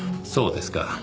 そうですか。